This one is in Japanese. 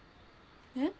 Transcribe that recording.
えっ？